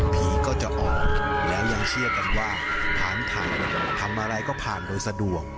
ผีก็จะออกแล้วยังเชื่อกันว่าฐานทำทำอะไรก็ผ่านโดยสะดวก